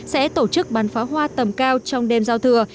sẽ tổ chức bán phá hoa tầm cao trong đêm giao thừa